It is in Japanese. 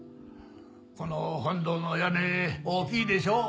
この本堂の屋根大きいでしょう。